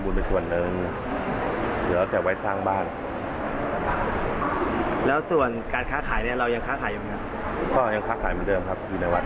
ปกติทุกอย่างครับ